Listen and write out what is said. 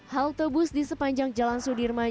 halte bus di sepanjang jalan sudirman